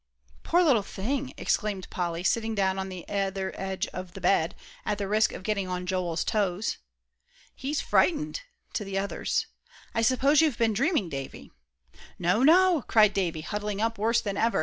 "Poor little thing!" exclaimed Polly, sitting down on the other edge of the bed, at the risk of getting on Joel's toes. "He's frightened," to the others. "I s'pose you've been dreaming, Davie." "No, no!" cried Davie, huddling up worse than ever.